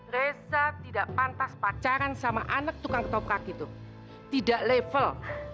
reza tidak pantas pacaran sama anak tukang ketoprak itu tidak level